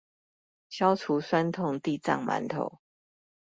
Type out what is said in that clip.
消除痠痛地藏饅頭